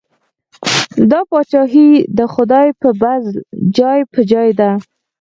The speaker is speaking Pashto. دا پاچاهي د خدای په پزل جای په جای ده.